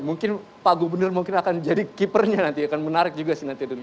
mungkin pak gubernur mungkin akan jadi keepernya nanti akan menarik juga sih nanti